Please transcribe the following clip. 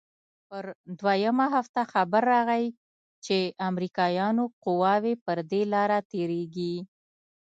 پر دويمه هفته خبر راغى چې امريکايانو قواوې پر دې لاره تېريږي.